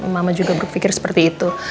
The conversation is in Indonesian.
mama juga berpikir seperti itu